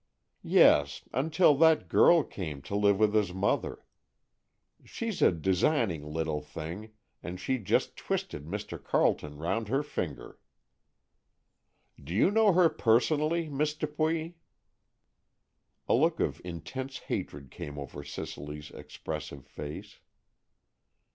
"Yes, until that girl came to live with his mother. She's a designing little thing, and she just twisted Mr. Carleton round her finger." "Do you know her personally, Miss Dupuy?" A look of intense hatred came over Cicely's expressive face.